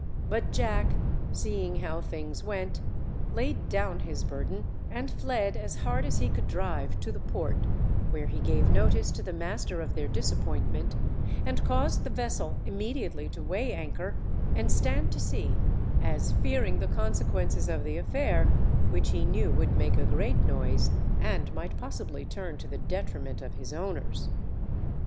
But Jack, seeing how things went, laid down his burden and fled as hard as he could drive to the port, where he gave notice to the master of their disappointment, and caused the vessel immediately to weigh anchor and stand to sea, as fearing the consequences of the affair, which he knew would make a great noise, and might possibly turn to the detriment of his owners.